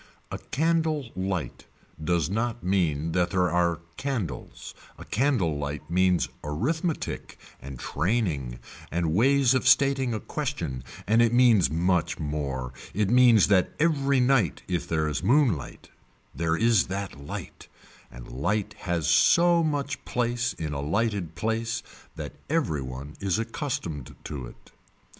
A candle light does not mean that there are candles, a candle light means arithmetic and training and ways of stating a question and it means much more, it means that every night if there is moonlight there is that light, and light has so much place in a lighted place that every one is accustomed to it.